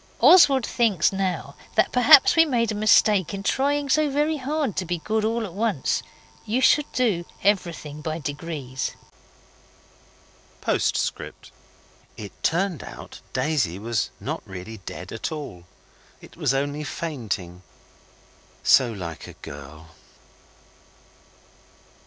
Oswald thinks now that perhaps we made a mistake in trying so very hard to be good all at once. You should do everything by degrees. P.S. It turned out Daisy was not really dead at all. It was only fainting so like a girl.